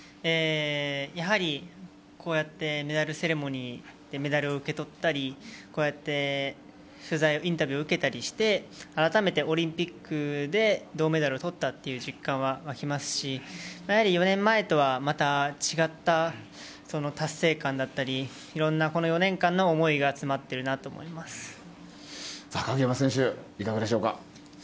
やはりこうやってメダルセレモニーでメダルを受け取ったりこうやってインタビューを受けたりしてあらためてオリンピックで銅メダルを取ったという実感は湧きますし４年前とはまた違った達成感だったりいろんな４年間の思いが鍵山選手、いかがでしょうか。